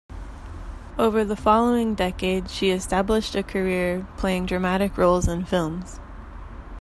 Over the following decade she established a career playing dramatic roles in films.